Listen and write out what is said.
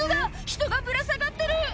人がぶら下がってる！